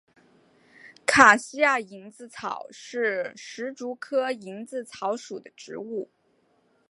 卡西亚蝇子草是石竹科蝇子草属的植物。